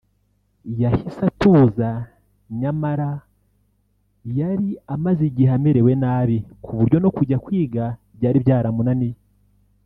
yahise atuza nyamara yari amaze igihe amerewe nabi kuburyo no kujya kwiga byari byaramunaniye